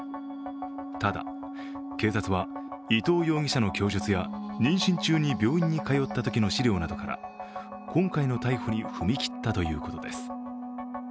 ただ警察は、伊藤容疑者の供述や妊娠中に病院に通ったときの資料などから今回の逮捕に踏み切ったということです。